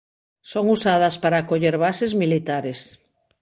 Son usadas para acoller bases militares.